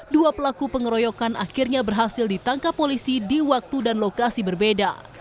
dua pelaku pengeroyokan akhirnya berhasil ditangkap polisi di waktu dan lokasi berbeda